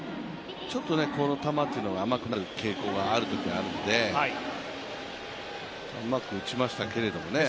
ちょっとこの球というのが甘くなる傾向があるときがあるので、うまく打ちましたけどね。